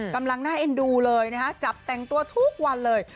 กำลังน่าเอ็นดูเลยนะฮะจับแต่งตัวทุกวันเลย